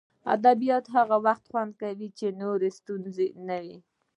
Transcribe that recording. ادبیات هغه وخت خوند کوي چې نورې ستونزې نه وي